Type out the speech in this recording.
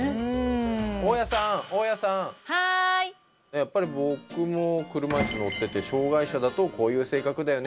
やっぱり僕も車いす乗ってて障害者だとこういう性格だよね